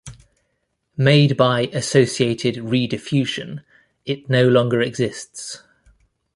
Made by Associated Rediffusion, it no longer exists.